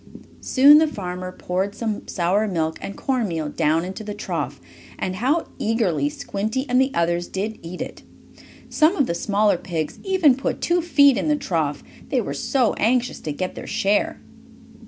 Soon the farmer poured some sour milk and corn meal down into the trough, and how eagerly Squinty and the others did eat it! Some of the smaller pigs even put two feet in the trough, they were so anxious to get their share.